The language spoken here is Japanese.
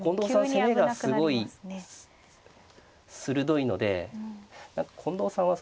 攻めがすごい鋭いので何か近藤さんはそうですね